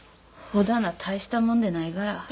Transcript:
ほだな大したもんでないがら。